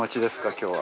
今日は。